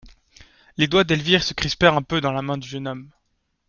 Les doigts d'Elvire se crispèrent un peu dans la main du jeune homme.